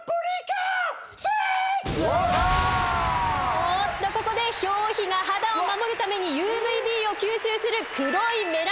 おっとここで表皮が肌を守るためにＵＶーＢを吸収する黒いメラニン色素を作り始めた！